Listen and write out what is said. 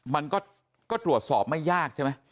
มันก็ตรวจสอบไม่ยากใช่ไหม